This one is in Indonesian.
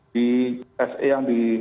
di se yang di